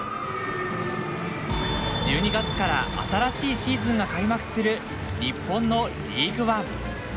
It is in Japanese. １２月から新しいシーズンが開幕する日本のリーグワン。